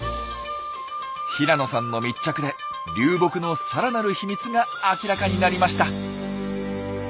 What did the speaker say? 平野さんの密着で流木のさらなる秘密が明らかになりました。